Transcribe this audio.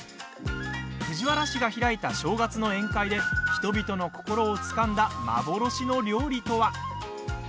藤原氏が開いた正月の宴会で人々の心をつかんだ幻の料理とは？